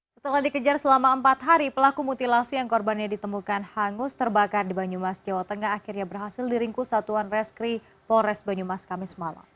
setelah dikejar selama empat hari pelaku mutilasi yang korbannya ditemukan hangus terbakar di banyumas jawa tengah akhirnya berhasil diringkus satuan reskri polres banyumas kamis malam